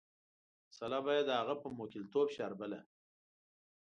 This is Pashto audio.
مساله به یې د هغه په موکلتوب شاربله.